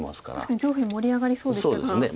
確かに上辺盛り上がりそうでしたが。